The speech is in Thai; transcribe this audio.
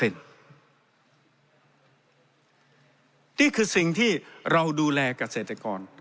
นี่คือสิ่งที่เราดูแลเกษตรกร